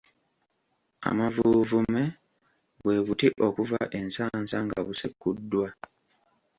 Amavuuvume bwe buti okuva ensansa nga busekuddwa.